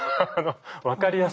分かりやすく。